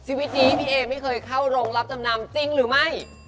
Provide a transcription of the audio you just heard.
ชีวิตนี้พี่เอไม่เคยเข้าโรงรับจำนำจริงหรือไม่